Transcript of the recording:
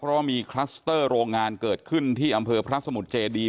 เพราะว่ามีคลัสเตอร์โรงงานเกิดขึ้นที่อำเภอพระสมุทรเจดี